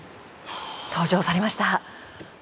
登場されました。